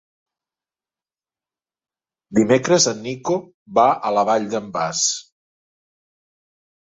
Dimecres en Nico va a la Vall d'en Bas.